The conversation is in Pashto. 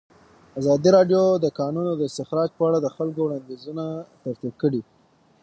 ازادي راډیو د د کانونو استخراج په اړه د خلکو وړاندیزونه ترتیب کړي.